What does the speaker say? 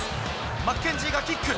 マッケンジーがキック。